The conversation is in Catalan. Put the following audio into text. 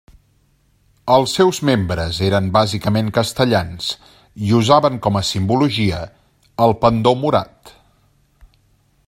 Els seus membres eren bàsicament castellans i usaven com a simbologia el pendó morat.